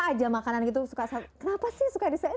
apa aja makanan gitu suka kenapa sih suka disisain